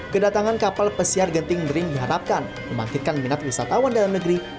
kedatangan kapal pesiar genting dring diharapkan membangkitkan minat wisatawan dalam negeri